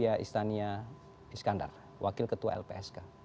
mbak livi istania iskandar wakil ketua lpsk